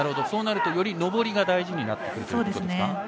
そうなると、より上りが大事になってくるということです。